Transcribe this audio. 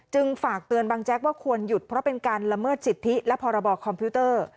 ฝากเตือนบังแจ๊กว่าควรหยุดเพราะเป็นการละเมิดสิทธิและพรบคอมพิวเตอร์